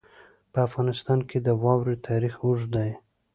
په افغانستان کې د واوره تاریخ اوږد دی.